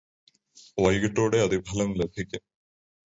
വൈകിട്ടോടെ അതി ഫലം ലഭിക്കും.